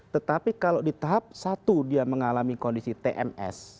tetapi kalau di tahap satu dia mengalami kondisi tms